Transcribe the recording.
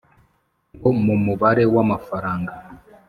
ngom umubare w amafaranga